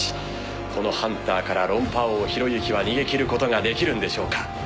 このハンターから論破王ひろゆきは逃げ切ることができるんでしょうか。